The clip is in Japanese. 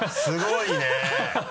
すごいね。